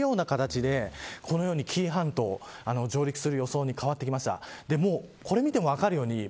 強まったので押されるような形でこのように紀伊半島に上陸する予想に変わってきました。